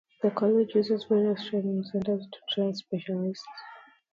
The college uses various training centres to train specialists.